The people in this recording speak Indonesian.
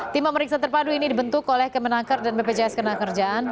tim pemeriksa terpadu ini dibentuk oleh kemenaker dan bpjs kenakerjaan